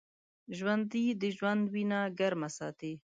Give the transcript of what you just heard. ژوندي د ژوند وینه ګرمه ساتي